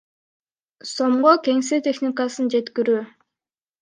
сомго кеңсе техникасын жеткирүү.